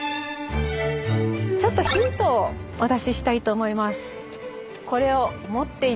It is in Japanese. ちょっとヒントをお出ししたいと思います。